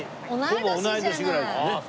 ほぼ同い年ぐらいですね。